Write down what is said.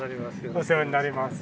お世話になります。